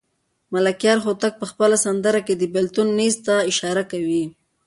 ملکیار هوتک په خپله سندره کې د بېلتون نیز ته اشاره کوي.